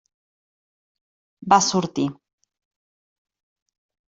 Va sortir.